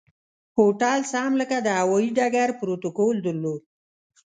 هوټل سم لکه د هوایي ډګر پروتوکول درلود.